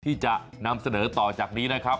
ที่จะนำเสนอต่อจากนี้นะครับ